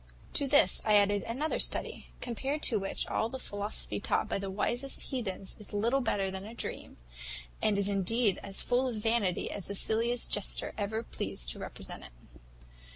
"To this I added another study, compared to which, all the philosophy taught by the wisest heathens is little better than a dream, and is indeed as full of vanity as the silliest jester ever pleased to represent it.